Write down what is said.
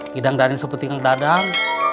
hidang dani seperti yang dadang